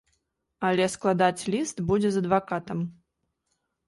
Але складаць ліст будзе з адвакатам.